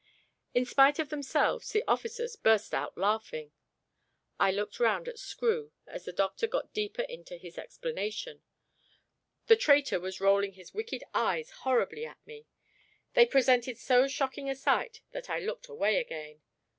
In spite of themselves, the officers burst out laughing. I looked round at Screw as the doctor got deeper into his explanations. The traitor was rolling his wicked eyes horribly at me. They presented so shocking a sight, that I looked away again.